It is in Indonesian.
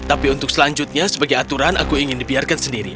tapi untuk selanjutnya sebagai aturan aku ingin dibiarkan sendiri